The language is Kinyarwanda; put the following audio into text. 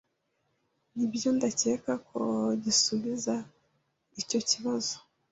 Nibyo, ndakeka ko gisubiza icyo kibazo.